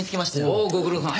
おうご苦労さん。